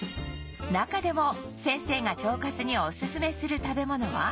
中でも先生が腸活にオススメする食べ物は